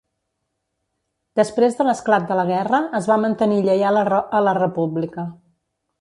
Després de l'esclat de la guerra es va mantenir lleial a la República.